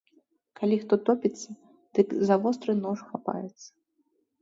Калі хто топіцца, дык за востры нож хапаецца.